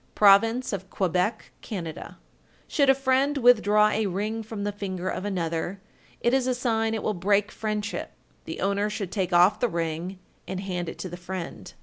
Province of Quebec, Can. 1393. Should a friend withdraw a ring from the finger of another, it is a sign it will break friendship. The owner should take off the ring and hand it to the friend.